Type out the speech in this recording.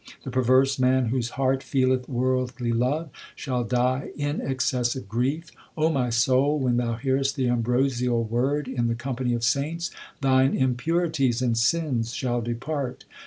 The perverse man whose heart feeleth worldly love Shall die in excessive grief. O my soul, when thou hearest the ambrosial word in the company of saints, Thine impurities and sins shall depart.